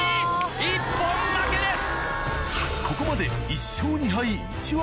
一本負けです。